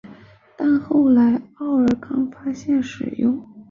但后来奥尔康发现使用同步发生器能为游戏加入不同音调的音效。